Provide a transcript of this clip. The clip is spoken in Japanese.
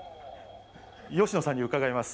吉野さんに伺います。